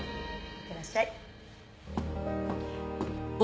いってらっしゃい。